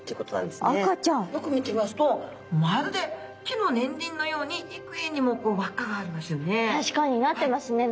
よく見てみますとまるで木の年輪のようにいくえにも輪っかがありますよね。